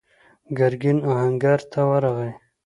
ګرګين آهنګر ته ورغی.